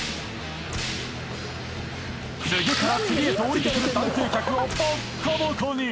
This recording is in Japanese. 次から次へと降りてくる男性客をボッコボコに！